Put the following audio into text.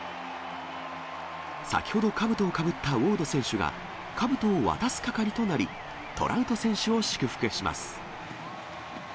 先ほどかぶとをかぶったウォード選手が、かぶとを渡す係となり、トラウト選手を祝福します。